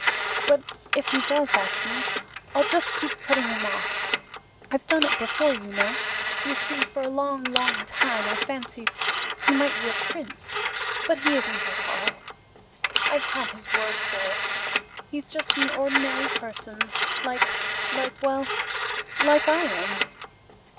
But if he does ask me I'll just keep putting him off. I've done it before, you know. You see, for a long, long time, I fancied he might be a prince, but he isn't at all. I've had his word for it. He's just an ordinary person like like well, like I am.